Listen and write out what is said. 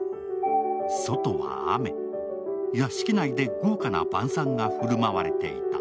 外は雨、屋敷内で豪華な晩さんが振る舞われていた。